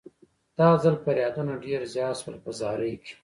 دا ځل فریادونه ډېر زیات شول په زارۍ کې.